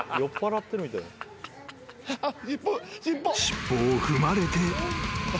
［尻尾を踏まれて］